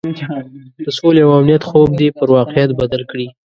د سولې او امنیت خوب دې پر واقعیت بدل کړي.